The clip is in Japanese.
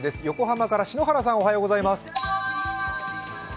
横浜から篠原さんおはようございます。